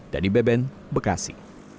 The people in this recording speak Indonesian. dari beben bekasi